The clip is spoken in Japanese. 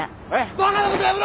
バカなことはやめろ！